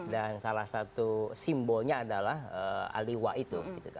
dan salah satu simbolnya adalah aliwa itu